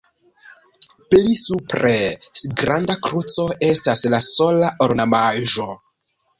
Pli supre granda kruco estas la sola ornamaĵo.